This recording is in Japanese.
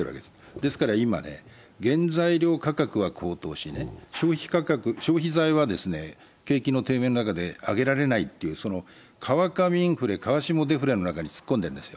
ですから今、原材料価格は高騰し、消費財は景気の低迷の中で上げられないという、川上インフレ川下デフレの中に突っ込んでるんですよ。